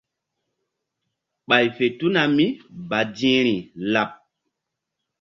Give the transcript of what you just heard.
Ɓay fe tuna mí badi̧hri laɓ.